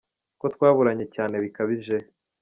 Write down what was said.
Kotwaburanye cyane bikabije?